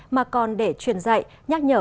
mà còn để truyền dạy nhắc nhở